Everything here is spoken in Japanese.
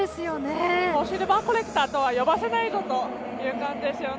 シルバーコレクターとは呼ばせないぞという感じです。